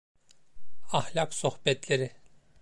Ahlak sohbetleri.